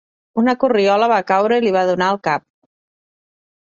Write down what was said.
Una corriola va caure i li va donar al cap.